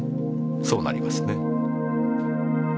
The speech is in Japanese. そうなりますね。